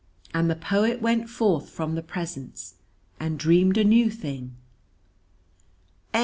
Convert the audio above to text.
And the poet went forth from the Presence and dreamed a new thing. ...